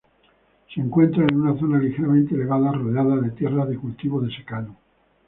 Se encuentra en una zona ligeramente elevada, rodeado de tierras de cultivo de secano.